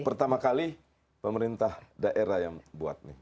pertama kali pemerintah daerah yang buat nih